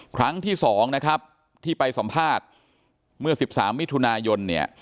ครั้งที่สองนะครับที่ไปสำพาทเมื่อสิบสามมิถุนายนเนี่ย